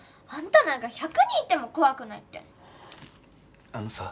あんたなんか１００人いても怖くないっての。